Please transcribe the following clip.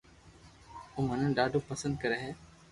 او مني ڌاڌو پسند ڪري ھي